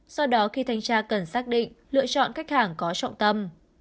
do đó khi thanh tra cần xác định lựa chọn khách hàng có trọng tâm